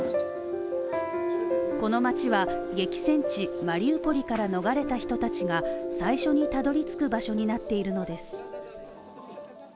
この街は激戦地マリウポリから逃れた人たちが最初にたどりつく場所になっているのです。